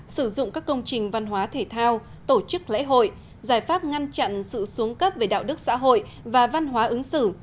sử dụng các công trình văn hóa thể thao tổ chức lễ hội giải pháp ngăn chặn sự xuống cấp về đạo đức xã hội và văn hóa ứng xử